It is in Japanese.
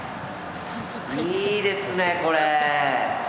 いいですね、これ。